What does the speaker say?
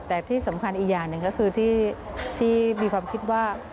แต่ที่สำคัญอีกอย่างหนึ่งก็คือที่มีความคิดว่า